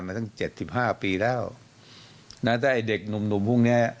มาตั้ง๗๕ปีแล้วแต่ไอ้เด็กหนุ่มพวกนี้